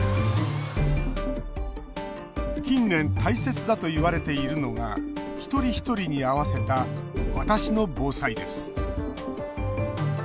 近年、大切だといわれているのが一人一人に合わせたわたしの防災です。